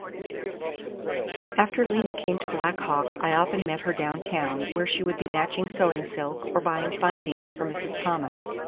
V AFTER Lena came to Black Hawk I often met her downtown, where she would be matching sewing silk or buying "findings" for Mrs. Thomas.